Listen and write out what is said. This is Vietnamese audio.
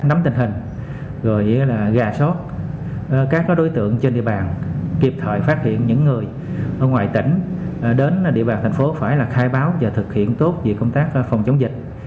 nắm tình hình rồi là gà sót các đối tượng trên địa bàn kịp thời phát hiện những người ở ngoài tỉnh đến địa bàn thành phố phải khai báo và thực hiện tốt về công tác phòng chống dịch